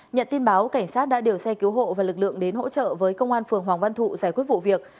nhận tin báo cảnh sát đã điều xe cứu hộ và lực lượng đến hỗ trợ với công an phường hoàng văn thụ giải quyết vụ việc